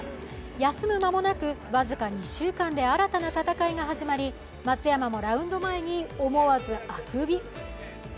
休む間もなく、僅か２週間で新たな戦いが始まり松山もラウンド前に思わず、あくび。